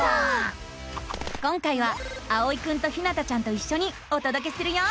今回はあおいくんとひなたちゃんといっしょにおとどけするよ。